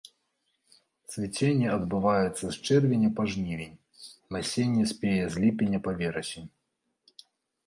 Цвіценне адбываецца з чэрвеня па жнівень, насенне спее з ліпеня па верасень.